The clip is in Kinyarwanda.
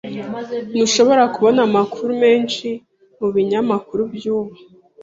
Ntushobora kubona amakuru menshi mubinyamakuru byubu.